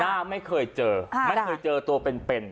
หน้าไม่เคยเจอไม่เคยเจอตัวเป็น